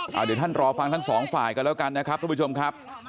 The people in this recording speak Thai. เดี๋ยวท่านรอฟังทั้งสองฝ่ายกันแล้วกันนะครับทุกผู้ชมครับ